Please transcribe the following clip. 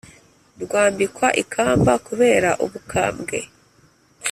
Rwambikwa ikamba kubera ubukambwe